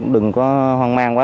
đừng có hoang mang quá